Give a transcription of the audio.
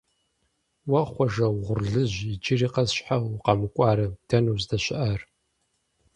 Уэ, Хъуэжэ угъурлыжь, иджыри къэс щхьэ укъэмыкӀуарэ, дэнэ уздэщыӀар?